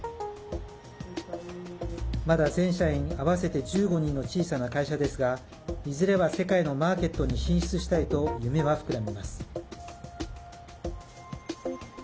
まだ全社員合わせて１５人の小さな会社ですがいずれは世界のマーケットに進出したいと夢は膨らみます。